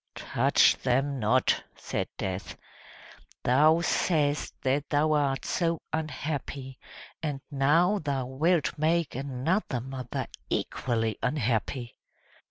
"Touch them not!" said Death. "Thou say'st that thou art so unhappy, and now thou wilt make another mother equally unhappy."